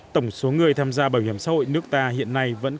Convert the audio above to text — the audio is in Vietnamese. tổng số người tham gia bảo hiểm xã hội nước ta hiện nay là rất là nhiều